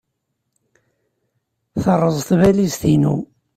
Terreẓ tbalizt-inu.